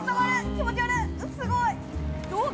気持ち悪っ。